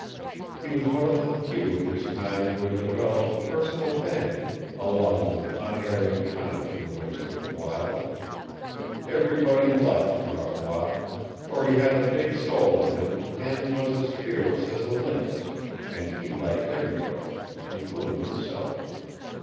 He was one of the few of his kind who had developed personal vanity along with unerring cunning in the ways of the wild. Everybody liked Gravois, for he had a big soul in him and was as fearless as a lynx; and he liked everybody, including himself.